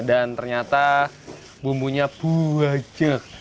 dan ternyata bumbunya banyak